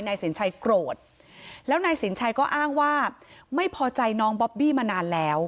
สินชัยโกรธแล้วนายสินชัยก็อ้างว่าไม่พอใจน้องบอบบี้มานานแล้ว